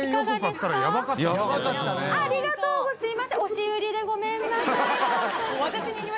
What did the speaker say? すいません。